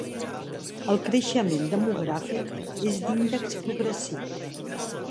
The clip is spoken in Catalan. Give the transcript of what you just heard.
El creixement demogràfic és d'índex progressiu.